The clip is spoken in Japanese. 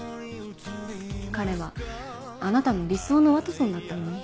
彼はあなたの理想のワトソンだったのに。